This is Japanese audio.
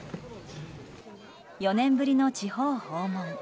４年ぶりの地方訪問。